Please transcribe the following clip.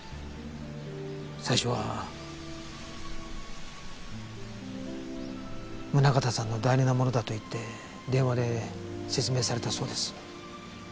最初は宗形さんの代理の者だと言って電話で説明されたそうです。